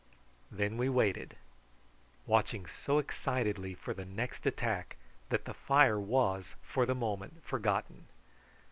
Then we waited, watching so excitedly for the next attack that the fire was for the moment forgotten.